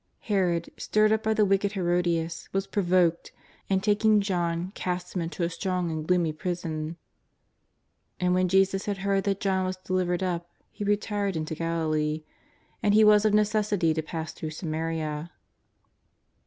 Herod, stirred up by the wicked Herodias, was provoked, and taking John cast him into a strong and gloomy prison. "And when Jesus had heard that John was delivered up, He retired into Galilee. And He was of necessity to pass through Samaria."